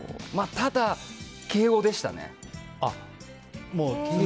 ただ、敬語でしたね。